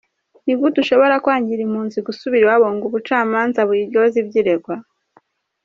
Ni gute ushobora kwangira impunzi gusubira iwabo ngo ubucamanza buyiryoze ibyo iregwa?".